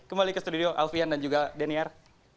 kembali ke studio alvian dan juga daniel